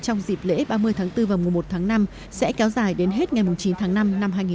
trong dịp lễ ba mươi tháng bốn và mùa một tháng năm sẽ kéo dài đến hết ngày chín tháng năm năm hai nghìn hai mươi bốn